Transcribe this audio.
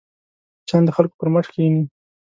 مچان د خلکو پر مټ کښېني